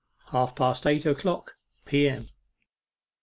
HALF PAST EIGHT O'CLOCK P.M.